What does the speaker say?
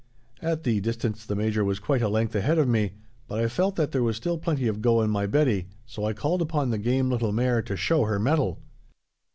At the distance the Major was quite a length ahead of me, but I felt that there was still plenty of go in my Betty, so I called upon the game little mare to show her mettle.